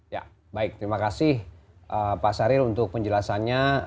ya baik terima kasih pak saril untuk penjelasannya